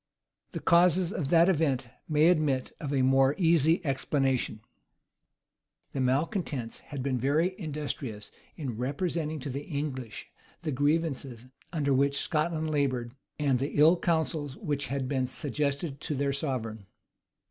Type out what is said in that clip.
The causes of that event may admit of a more easy explication. * Rush vol. iii. p. 945. The malecontents had been very industrious in representing to the English the grievances under which Scotland labored, and the ill counsels which had been suggested to their sovereign.